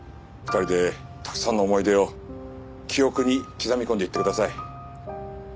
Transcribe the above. ２人でたくさんの思い出を記憶に刻み込んでいってください。